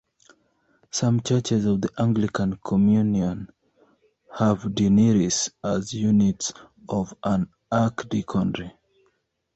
Some churches of the Anglican Communion have deaneries as units of an archdeaconry.